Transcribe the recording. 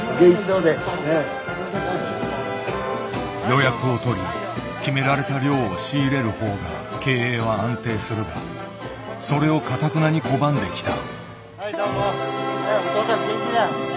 予約を取り決められた量を仕入れる方が経営は安定するがそれをかたくなに拒んできた。